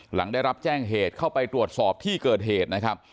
หลังได้รับแจ้งเหตุเข้าไปตรวจสอบที่เกิดเหตุนะครับ